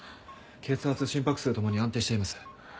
血圧心拍数共に安定しています。